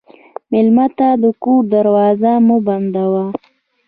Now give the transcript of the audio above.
مېلمه ته د کور دروازې مه بندوه.